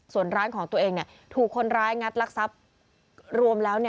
ส่วนร้านของตัวเองถูกคนร้ายงัดลักทรัพย์รวมแล้ว